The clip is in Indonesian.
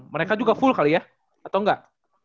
mereka juga full kali ya atau enggak